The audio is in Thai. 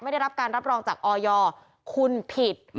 ได้รับการรับรองจากออยคุณผิด